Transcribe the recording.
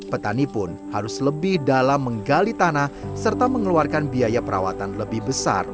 petani pun harus lebih dalam menggali tanah serta mengeluarkan biaya perawatan lebih besar